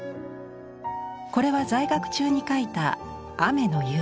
これは在学中に描いた「雨の夕」。